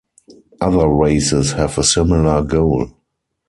Other races have a similar goal.